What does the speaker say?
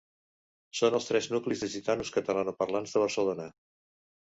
Són els tres nuclis de gitanos catalanoparlants de Barcelona.